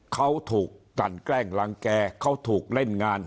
เขาถูกกันแกล้งรังแก่เขาถูกเล่นงาน